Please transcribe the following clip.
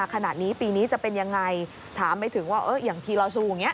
ขนาดนี้ปีนี้จะเป็นยังไงถามไม่ถึงว่าอย่างทีเราสู้อย่างเงี้ย